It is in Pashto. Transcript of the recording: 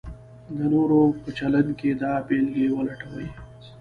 د نورو په چلند کې دا بېلګې ولټوئ: